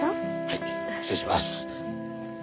はい失礼します。